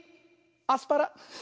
アスパラ。